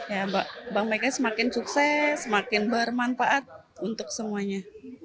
ya bank mega semakin sukses semakin bermanfaat untuk semuanya